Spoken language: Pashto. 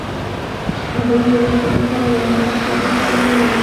هغې وویل چې ورسره د مخامخ کېدو توان نلري